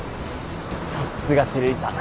さっすが照井さん。